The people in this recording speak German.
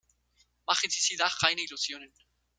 Machen Sie sich da keine Illusionen.